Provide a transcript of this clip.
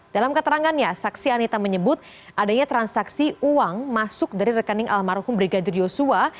dalam keterangannya saksi anita menyebut adanya transaksi uang masuk dari rekening almarhum brigadir yosua